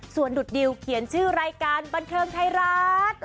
ส่วนดุดดิวเขียนชื่อรายการบันเทิงไทยรัฐ